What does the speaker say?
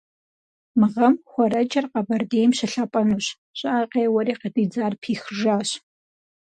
Мы гъэм хуэрэджэр Къабэрдейм щылъапӏэнущ, щӏыӏэ къеуэри къыдидзар пихыжащ.